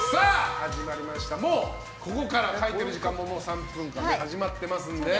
もうここから書いてる時間も３分間、始まってますので。